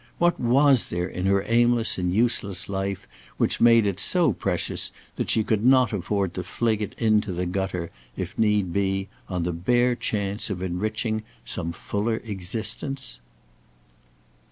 What was there in her aimless and useless life which made it so precious that she could not afford to fling it into the gutter, if need be, on the bare chance of enriching some fuller existence?